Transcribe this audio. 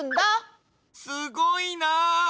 すごいな！